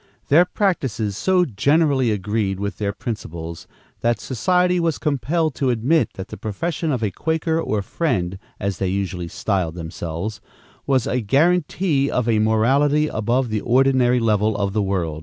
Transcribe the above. Their practices so generally agreed with their principles, that society was compelled to admit that the profession of a Quaker or Friend, as they usually styled themselves, was a guaranty of a morality above the ordinary level of the world.